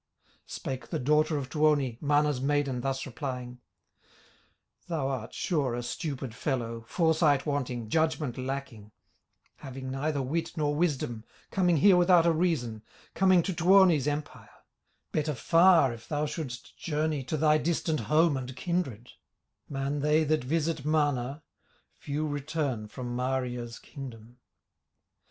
Spake the daughter of Tuoni, Mana's maiden thus replying: "Thou art sure a stupid fellow, Foresight wanting, judgment lacking, Having neither wit nor wisdom, Coming here without a reason, Coming to Tuoni's empire; Better far if thou shouldst journey To thy distant home and kindred; Many they that visit Mana, Few return from Mana's kingdom."